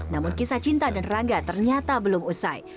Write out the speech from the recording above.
namun kisah cinta dan rangga ternyata belum usai